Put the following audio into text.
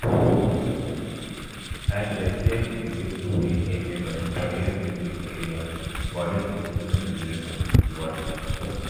As Russia ceased to be a major player in the area, Polish-Lithuanian relations worsened.